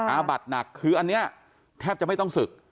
อาบัติหนักคืออันนี้แทบจะไม่ต้องศึก